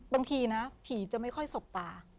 บางทีนะผีจะไม่ค่อยสบตา